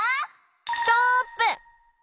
ストップ！